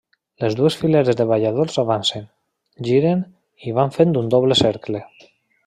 Les dues fileres de balladors avancen, giren i van fent un doble cercle.